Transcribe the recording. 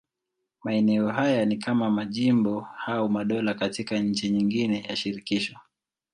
Maeneo haya ni kama majimbo au madola katika nchi nyingine ya shirikisho.